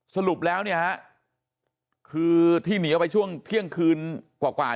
สรุปแล้วเนี่ยฮะคือที่หนีออกไปช่วงเที่ยงคืนกว่า